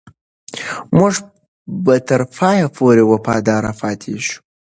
موږ به تر پایه پورې وفادار پاتې شو.